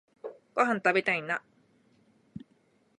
ごはんたべたいな